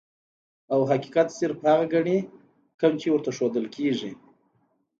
او حقيقت صرف هغه ګڼي کوم چې ورته ښودلے کيږي -